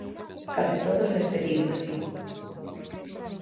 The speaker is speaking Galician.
Case todos neste libro, si.